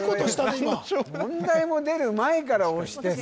今問題も出る前から押してさ